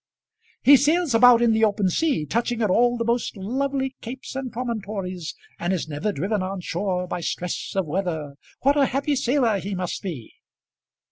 "He sails about in the open sea, touching at all the most lovely capes and promontories, and is never driven on shore by stress of weather! What a happy sailor he must be!"